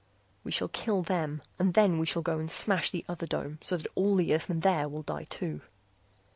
We shall kill them and then we shall go and smash the other dome so all the Earthmen there will die too.